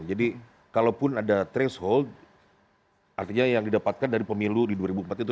jadi kalaupun ada threshold artinya yang didapatkan dari pemilu di dua ribu empat itu nanti gitu